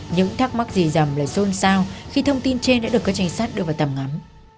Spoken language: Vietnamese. những thắc mắc gì rầm lại xôn xao khi thông tin trên đã được các trinh sát đưa vào tầm ngắm